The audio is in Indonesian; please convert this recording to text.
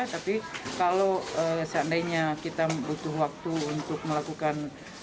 tapi kalau seandainya kita butuh waktu untuk melakukan